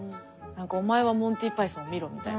お前はモンティ・パイソンを見ろみたいな。